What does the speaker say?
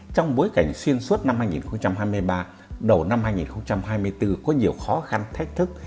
trong bối cảnh xuyên suốt năm hai nghìn hai mươi ba đầu năm hai nghìn hai mươi bốn có nhiều khó khăn thách thức